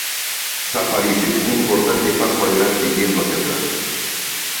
Zappa dice: "Un importante paso adelante yendo hacia atrás".